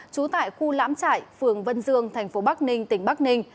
chú tại khu lãm trải phường vân dương tp bắc ninh tỉnh bắc ninh